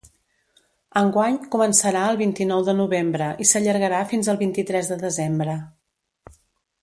Enguany començarà el vint-i-nou de novembre i s’allargarà fins al vint-i-tres de desembre.